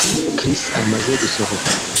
Chris amaze gusohoka